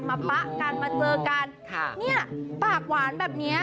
ป๊ะกันมาเจอกันค่ะเนี่ยปากหวานแบบเนี้ย